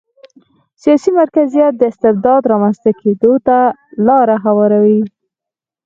سیاسي مرکزیت د استبداد رامنځته کېدو ته لار هواروي.